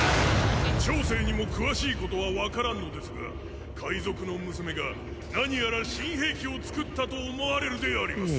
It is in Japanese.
小生にも詳しいことはわからんのですが界賊の娘が何やら新兵器を作ったと思われるであります。